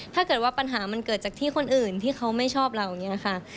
ถ้าเกิดว่าปัญหามันเกิดจากที่คนอื่นที่เขาไม่ชอบเราอย่างนี้ค่ะ